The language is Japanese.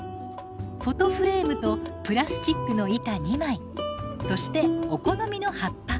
フォトフレームとプラスチックの板２枚そしてお好みの葉っぱ。